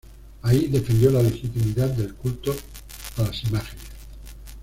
Ahí defendió la legitimidad del culto a las imágenes.